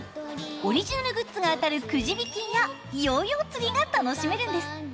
オリジナルグッズが当たるくじ引きやヨーヨーつりが楽しめるんです。